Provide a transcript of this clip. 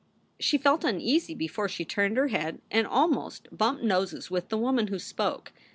She felt uneasy before she turned her head and almost bumped noses with the woman who spoke.